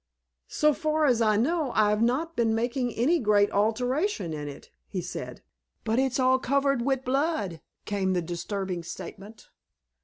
"So far as I know, I've not been making any great alteration in it," he said. "But it's all covered wi' blood," came the disturbing statement.